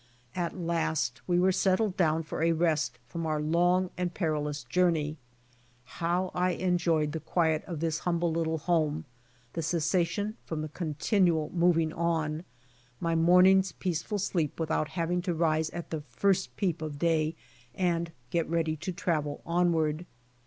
At last we were settled down for a rest from our long and perilous journey. How I enjoyed the quiet of this humble little home, the cessation from the con tinual moving on — my morning's peaceful sleep with out having to arise at the first peep of day and get ready to travel onward.